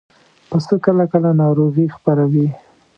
پسه کله کله ناروغي خپروي.